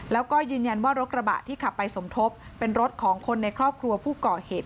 แล้วก็ยืนยันว่ารถกระบะที่ขับไปสมทบเป็นรถของคนในครอบครัวผู้ก่อเหตุ